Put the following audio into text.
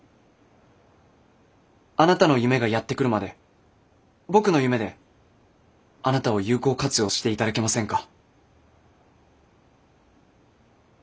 あなたの夢がやって来るまで僕の夢であなたを有効活用していただけませんか。